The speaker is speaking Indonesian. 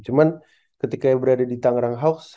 cuman ketika berada di tanggerang house